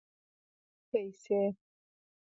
پيسې